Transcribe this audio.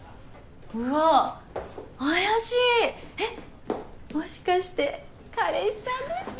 うわっ怪しいえっもしかして彼氏さんですか？